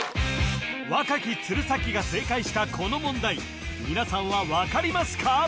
若き鶴崎が正解したこの問題皆さんは分かりますか？